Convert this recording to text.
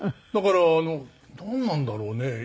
だからなんなんだろうね。